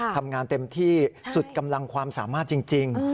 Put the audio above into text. ทำงานเต็มที่สุดกำลังความสามารถจริง